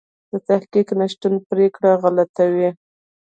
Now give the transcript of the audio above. د تحقیق نشتون پرېکړې غلطوي.